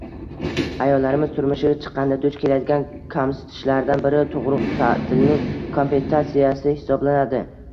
Ayollarimiz turmushga chiqqanda duch keladigan kamsitishlardan biri tug'ruq ta'tilining kompensatsiyasi hisoblanadi